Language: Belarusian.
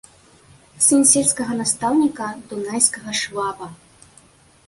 Сын сельскага настаўніка, дунайскага шваба.